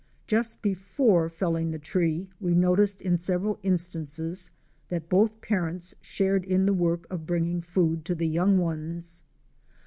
Just before felling the tree we noticed in several instances that both parents shared in the work of bringing food to the young ones.